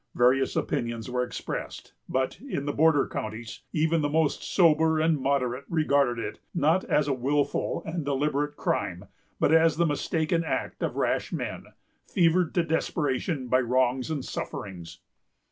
Various opinions were expressed; but, in the border counties, even the most sober and moderate regarded it, not as a wilful and deliberate crime, but as the mistaken act of rash men, fevered to desperation by wrongs and sufferings.